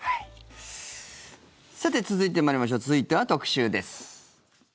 さて続いて参りましょう続いては特集です。